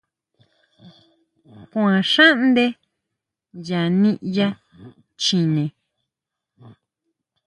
¿Kuaxaʼnde ya niyá chjine?